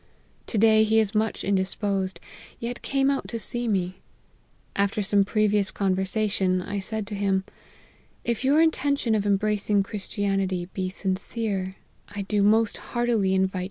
To day he is much indisposed, yet came out to see me. After some previous conversation, I said to him, 4 If your intention of embracing Christianity be sincere, I do most heartily invite 232 APPENDIX.